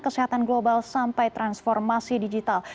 kesehatan global sampai transformasi digital